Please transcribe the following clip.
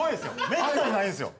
めったにないですよ